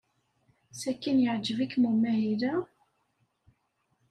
Sakkin yeɛjeb-ikem umahil-a?